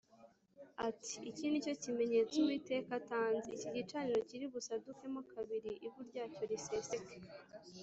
ati “Iki ni cyo kimenyetso Uwiteka atanze Iki gicaniro kiri busadukemo kabiri, ivu ryacyo riseseke”